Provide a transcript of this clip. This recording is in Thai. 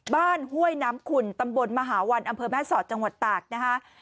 ห้วยน้ำขุ่นตำบลมหาวันอำเภอแม่สอดจังหวัดตากนะคะ